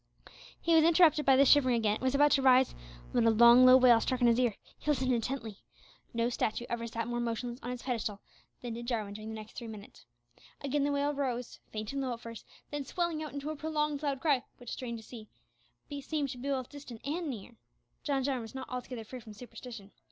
He was interrupted by the shivering again, and was about to rise, when a long low wail struck on his ear. He listened intently. No statue ever sat more motionless on its pedestal than did Jarwin during the next three minutes. Again the wail rose, faint and low at first, then swelling out into a prolonged loud cry, which, strange to say, seemed to be both distant and near. John Jarwin was not altogether free from superstition.